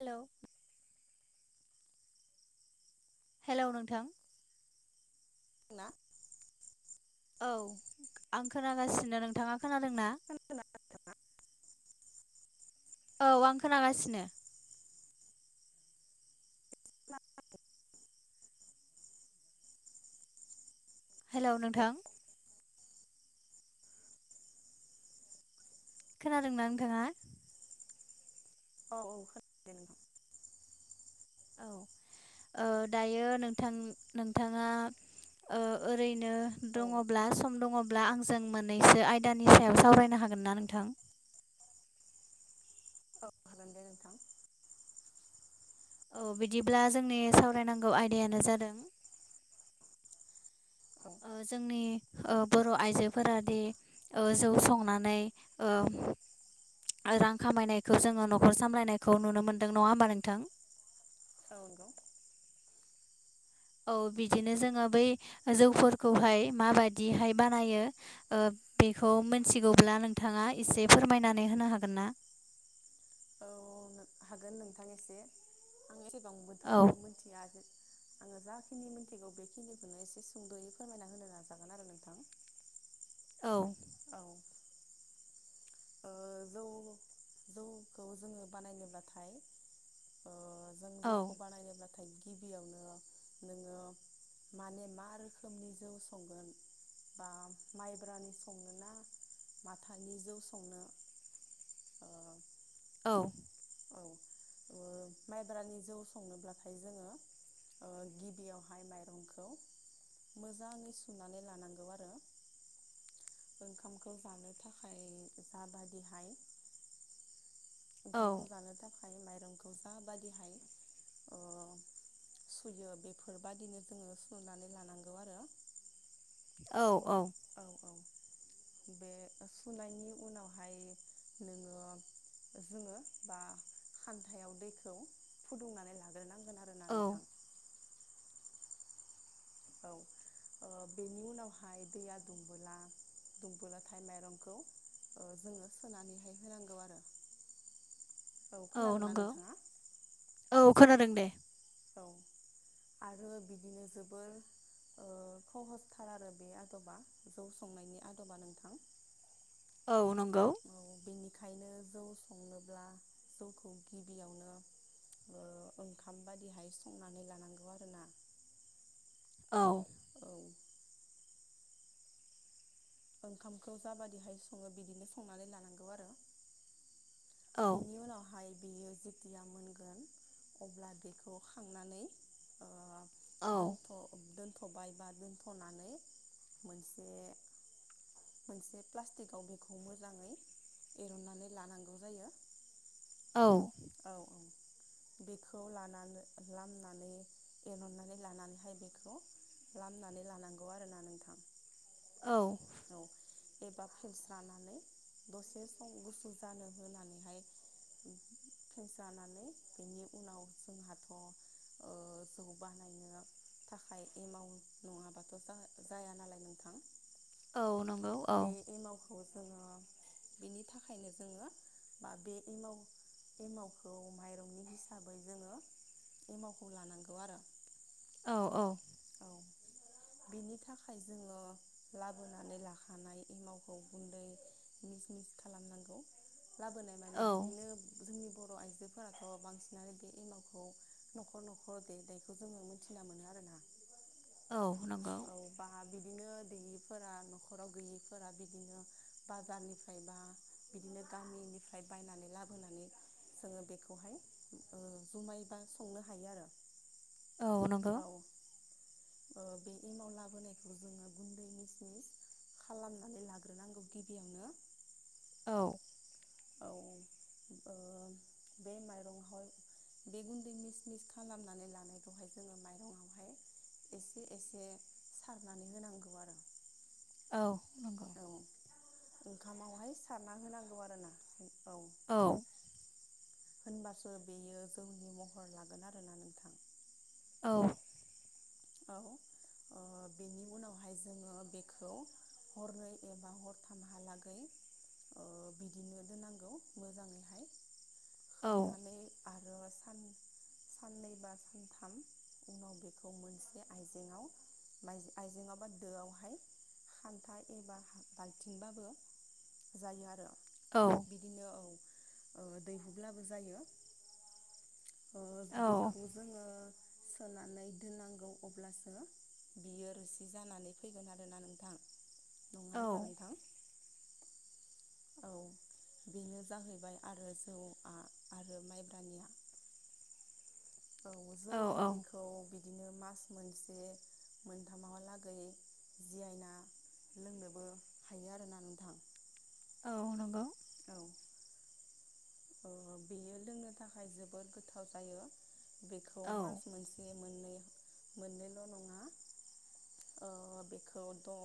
हेल' हेल' नोंथां। ना औ आं खोनागासिनो। नोंथाङा खोनादों ना? [unintelligible] औ आं खोनागासिनो। हेल' नोंथाङा नोंथां। खोनादोंना नोंथाङा? औ औ खोनादों। औ दायो नोंथां-नोंथाङा ओ ओरैनो औ खोनादों दे दङब्ला सम दङ अब्ला आंजों मोननैसो आयदानि सायाव सावरायनो हागोन ना नोंथां? औ खालाम दे नोंथां। औ बिदिब्ला जोंनि सावरायनांगौ आयदायानो जादों औ जोंनि बर' आइजोफोरादि ओ जौ संनानै ओ रां खामायनायखौ जोङो न'खर सामलायनायखौ नुनो मोन्दों नङा होमबा नोंथां? औ नंगौ। औ बिदिनो जोङो बै जौफोरखौहाय माबाददिहाय बानायो ओ बेखौ मोनथिगौब्ला नोंथाङा एसे फोरमायनानै होनो हागोन ना? औ औ हागोन नोंथां एसे। आं एसेबांबोथ' औ मिथिया आङो जाखिनि मिथिगौ बेखिनिखौनो एसे सुंद'यै फोरमायना होनो नाजागोन आरो नोंथां। औ। औ। ओ जौ-जौखौ जोङो बानायनोब्लाथाय ओ जों औ जौखौ बानायनोब्लाथाय गिबियावनो नोङो माने मा रोखोमनि जौ संगोन बा माइब्रानि संनोना माथानि जौ संनो औ। औ, माइब्रानि जौ संनोब्लाथाय जोङो ओ गिबियावहाय माइरंखौ मोजाङै सुनानै लानांगौ आरो। ओंखामखौ जानो थाखाय जाबादिहाय औ ओंखामखौ जानो थाखाय माइरंखौ जाबादिहाय सुयो बेफोरबायाददिनो जोङो सुनानै लानांगौ आरो औ औ औ औ बे सुनायनि उनावहाय नोङो जोङो बा खान्थायाव दैखौ फुदुंनानै लाग्रोनांगोन आरो ना औ नोंथां? औ। बेनि उनावहाय दैया दुमबोला दुमबोलाथाय माइरंखौ जोङो सोनानैहाय होनांगौ आरो। औ। औ खोनादोंना नंगौ। नोंथाङा औ खोनादों दे। औ आरो बिदिनो जोबोर खहसथार आरो बे आदबा जौ संनायनि आदबा नोंथां औ नंगौ औ बेनिखायनो जौ संनोब्ला जौखौ गिबियावनो ओंखाम बायदिहाय संनानै लानांगौ आरोना औ औ ओंखामखौ जाबादिहाय सङो बिदिनो संनानै लानांगौ आरो औ बिनि उनावहाय बेयो जेथिया मोनगोन अब्ला बेखौ खांनानै औ दोनथ'बाय बा दोनथ'नानै मोनसे मोनसे प्लास्टिकआव बेखौ मोजाङै एरनानै लानांगौ जायो औ औ औ बेखौ लानानै लामनानै एनहननानै लानानैहाय बेखौ खालामलामनानै लानांगौ आरोोना नोंथां औ औ एबा फिस्रानानै दसे सम गुसु जानो होनानैहाय [unintelligible] जानानै बेनि उनाव जोंहाथ' ओ जखौ बानायो थाखाय एमाउ नङाबाथ' जाया नालाय नोंथां औ नंगौ औ बे एमावखौ जोङो बिनि थाखायनो जोङो बा बे एमाव एमावखौ माइरंनि हिसाबै जोङो एमावखौ लानांगौ आरो औ औ औ बिनि थाखाय जोङो लाबोनानै लाखानाय एमावखौ गुन्दै मिस मिस खालामनांगौ लाबोनाय माने औ बिदिनो जोंनि बर' आइजोफोराथ' बांसिनानो बे एमावखौ न'खर न'खर देनायखौ जोङो मिथिना मोनो आरो ना औ नंगौ औ बा बिदिनो दैयिफोरा न'खराव गैयैफोरा बिदिनो बाजारनिफ्रायबा बिदिनो गामिनिफ्राय बायनानै लाबोनानै जोङो बेखौहाय ओ जुमाय बा संनो हायो आरो औनांगौ औ बे एमाव लाबोनायखौ जोङो गुन्दै मिसनिस खालामनानै लाग्रोनांगौ गिबियावनो औ औओ बे माइरंआवहाय बे गुन्दै मिस मिस खालामनानै लानायखौहाय जोङो माइरंआवहाय एसे एसे सारनानै होनांगौ आरो। औ नंगौ। औ ओंखामावहाय सारना होनांगौ आरोना औ। औ। होनबासो बेयो जौनि महर लागोन आरोोना नोंथां औ औ बेनि उनावहाय जोङो बेखौ हरै एबा हरथामहालागै बिदिनो दोननांगौ मोजाङैहाय औ खोबनानै आरो सान साननै बा सानथाम उनाव बेखौ मोनसे आइजेेंआव माइज आइजेंआव बा दोआवहाय खान्था एबा बाल्थिंबाबो जायो आरो। औ। बिदिनो औ दैहुब्लाबो जायो ओ औ औ बेखौ जोङो सोनानै दोननांगौ अब्लासो बियो रुसि जानानै फैगोन आरोना नोंथां, नङा होनब्ला औ नोंथां? औ बेनो जाहैबाय आरो जौआ आरो माइब्रानिया औ जौ बिदैैखो खौ बिदिनो मास मोनसे मोनथामाहालागै जियायना लोंनोबो हायो आरोना नोंथां। औ नंगौ। औ। औ औ बेयो लोंनो थाखाय जोबोर गोथाव जायो। बेखौ औ मास मोनसे मोननै मोननैल' नङा ओ बेखौ द'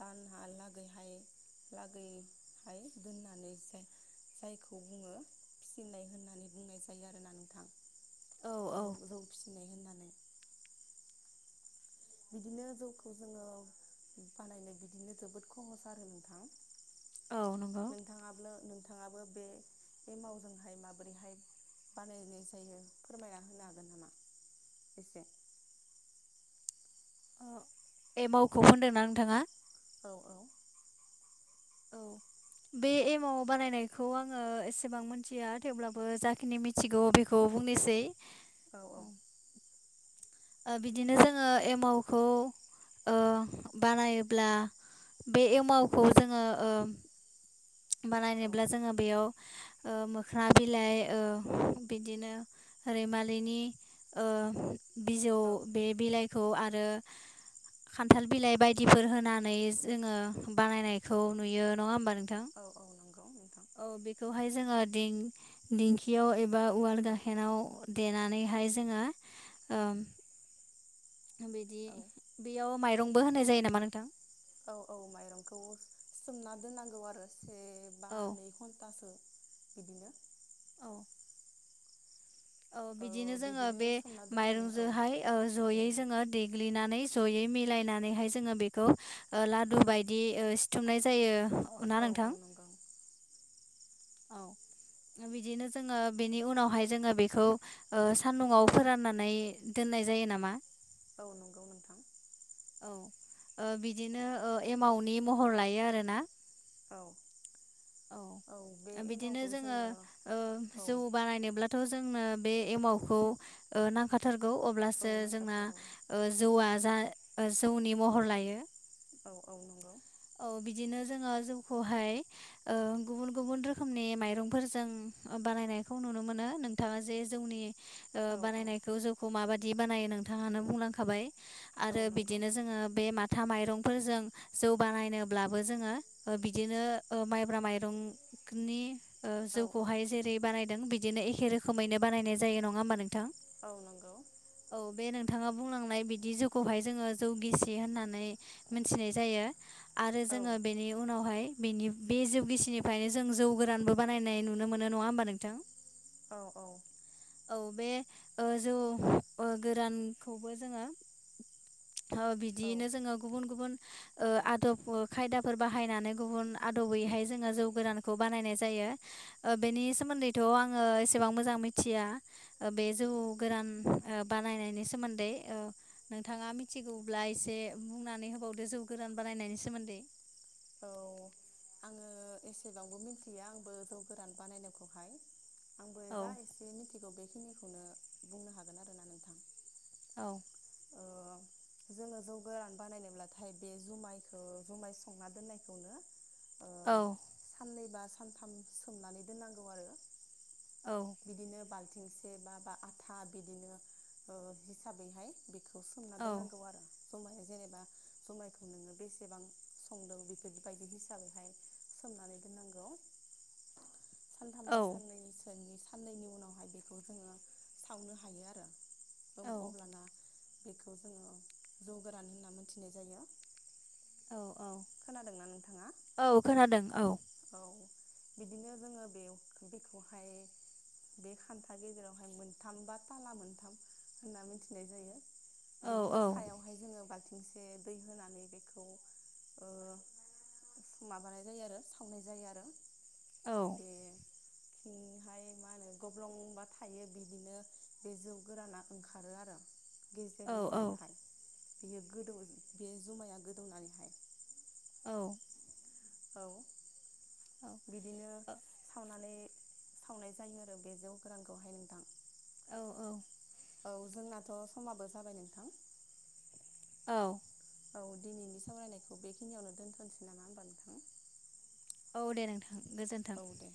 दानहा लागैहाय लागै हाय दोननानैसो खौ बुङो फिसिनाय होननानै बुंनाय जायो आरोना नोंथां। औ औ बुं रौ फिनाय होननानै बिदिनो जौखौ जोङो बानायनाय बिदिनो जोबोद खहस आरो नोंथां। औ नंगौ। नोंथाङाब्लो नोंथाङाबो बे बे मावजोंहाय माबोरैहाय बानायनाय जायो फोरमायना होनो हागोन नामा एसे? एमावखौ होनदोंना नोंथाङा? औ औ। औ बे एमाव बानायनायखौ आङो एसेबां मिथिया थेवब्लाबो जाखिनि मि थिगौ बेखौ बुंनोसै औ औ। ओ बिदिनो जोङो एमावखौ ओ बानायोब्ला बे एमावखौ जोङो ओ औ बानायनोब्ला जोङो बेयाव ओ मोख्रा बिलाइ ओ बिदिनो रैमालिनि ओ बिजौ औ। बे बिलाइखौ आरो खान्थाल बिलाइ बायदिफोर होनानै जोङो बानायनायखौ नुयो। नङा होमबा नोंथां? औ औ नंगौ नोंथां। औ बेखौहाय जोङो दिं दिंखियाव एबा उवाल गाहेनाव देनानैहाय जोङो ओम बिदि औ बेयाव माइरंबो होनाय जायो नामा नोंथां? औ औ माइरंखौ सोमना दोननांगौ आरो से बा औ नै घन्टासो बिदिनो औ औ बिदिनो जोङो बे सोमना दोननानै औ माइरंजोंहाय दे जयै जोङो दै ग्लिनानै ज'यै मिलायनानैहाय जोङो बेखौ ओ लादु बायदि ओ सिथुमनाय जायो। ना औ नोंथां औ नंगौ। औ बिदिनो जोङो बेनि उनावहाय जोङो बेखौ ओ सान्दुंआव फोराननानै दोननाय जायो नामा? औ नंगौ नोंथां। [inaudible] औ ओ बिदिनो ओ एमाउनि महर लायो आरो ना। औ औ बिदिनो जोङो ओ औ जौ बानायनोब्ला थ' जोंनो बे एमावखौ ओ नांखाथारगौ औ अब्लासो जोंना नांखाथारगौ जौआ जा जौनि महर लायो। औ औ नंगौ। औ बिदिनो जोङो जौखौहाय ओ गुबुन गुबुन रोखोमनि माइरंफोरजों बानायनायखौ नुनो मोनो नोंथाङा जे जोंनि ओ औ औ बानायनायखौ जौखौ माबादि बानायो नोंथाङानो बुंलांखाबाय आरो औ नंगौ बिदिनो जोङो बे माथा माइरंफोरजों जौ बानायनोब्लाबो जोङो बिदिनो ओ माइब्रा माइरंनि ओ औ औ जौखौहाय जेरै बानायदों बिदिनो एखे रोखोमैनो बानायनाय जायो नङा होमबा नोंथां? औ नंगौ औ बे नोंथाङा बुंलांनाय बिदि जौ खौहाय जोङो जौ गिसि होननानै मिथिनाय जायो। आरो औ जोङो बेनि उनावहाय बेनि बे जौ गिसिनिफ्रायनो जों जौ गोरानबो बानायनाय नुनो मोनो नङा होमबा नोंथां? औ औ औ बे ओ जौ गोरानखौबो जोङो हो बिदियैनो औ जोङो गुबुन गुबुन ओ आदब खायदाफोर बाहायनानै गुबुन आदबैहाय जोङो जौ गोरानखौ बानायनाय जायो। ओ बेनि सोमोन्दैथ' आङो एसेबां मोजां मिथिया ओ बे जौ गोरान बानायनायनि सोमोन्दै ओ नोंथाङा मिथिगौब्ला एसे बुंनानै होबावदो जौ गोरान बानायनायनि सोमोन्दै औ आङो एसेबांबो मिथिया आंबो जौ गोरान बानायनायखौहाय आंबो जा औ एसे मिथिगौ बेखिनिखौनो बुंनो हागोन आरोना नोंथां औ ओ जोङो जौ गोरान बानायनोब्लाथाय बे जुमायखौ जुमाय संना दोननायखौनो ओ औ साननैबा सानथाम सोमनानै दोननांगौ आरो। औ बिदिनो बाल थिंसे बा बा आथा बिदिनो ओ हिसाबैहाय बेखौ सोमना औ दोननांगौ आरो। जमाया जेनेबा जमायखौ नोङो बेसेबां संदों बेफोरबायदि हिसाबैहाय सोमनानै दोननांगौ। सानथामबा औ साननैसोनि साननैनि उनावहाय बेखौ जोङो सावनो हायो आरो। ओम औ अब्लाना बेखौ जोङो जौ गोरान होनना मोनथिनाय जायो। औ औ खोनादोंना नोंथाङा? औ खोनादों औ। औ बिदिनो जोङो बे बेखौहाय। बे खान्था गेजेरावहाय मोनथाम बा ताला मोनथाम होनना मिथिनाय जायो। औ बिदिनो औ सायावहाय जोङो बा थिंसे दैहोनानै बेखौ ओ माबानायजायोआरो सा खावनाय जायो आरो औ बे थिंहाय मा होनो गब्लंबा थायो बिदिनो बे जौ गोराना ओंखारो आरो। गेजेर औ औ गेजेरहाय बियो गोदौ बे जुमाया गोदौनानैहाय औ। औ बिदिनो सावनानै सावनाय जायो आरो बे जौ गोरानखौहाय नोंथां। औ औ। औ जोंनाथ' समाबो जाबाय नोंथां। औ। औ दिनैनि सावरायनायखौ बेखिनियावनो दोनथ'सै नामा होमबा नोंथां? औ दे नोंथां गोजोन्थों। औ दे